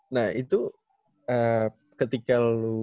nah itu ketika lu